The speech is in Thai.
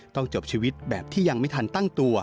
จบชีวิตแบบที่ยังไม่ทันตั้งตัว